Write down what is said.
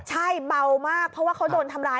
ใช่เบามากเพราะว่าเขาโดนทำร้าย